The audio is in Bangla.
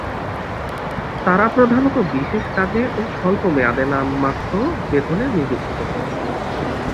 তারা প্রধানত বিশেষ কাজে ও স্বল্পমেয়াদে নামমাত্র বেতনে নিযুক্ত হতো।